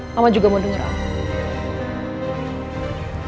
mama juga mau denger apa